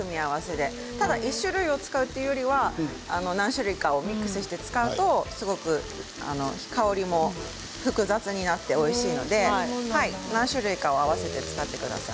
１種類というよりは何種類かミックスして使うと香りも複雑になっておいしいので何種類か合わせて使ってください。